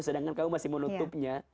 sedangkan kamu masih menutupnya